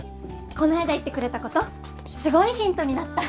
こないだ言ってくれたことすごいヒントになった！